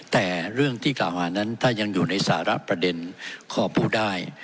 แต่เรื่องที่กล่าวหานั้นถ้ายังอยู่ในสาระประเด็นขอพูดได้